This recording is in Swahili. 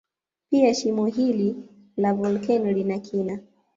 Pia shimo hili la volkeno lina kina